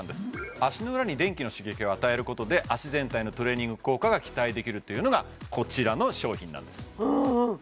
足の裏に電気の刺激を与えることで脚全体のトレーニング効果が期待できるというのがこちらの商品なんです